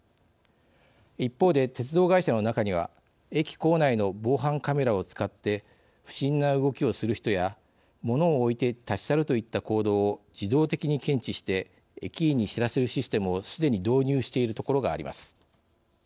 一方で、鉄道会社の中には駅構内の防犯カメラを使って不審な動きをする人や物を置いて立ち去るといった行動を自動的に検知して駅員に知らせるシステムをすでに導入しているところがあります。